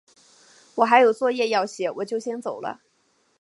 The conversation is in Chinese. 我还有作业要写，我就先走了。